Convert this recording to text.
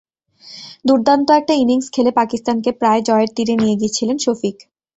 দুর্দান্ত একটা ইনিংস খেলে পাকিস্তানকে প্রায় জয়ের তীরে নিয়ে গিয়েছিলেন শফিক।